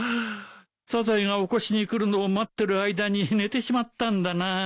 サザエが起こしに来るのを待ってる間に寝てしまったんだな。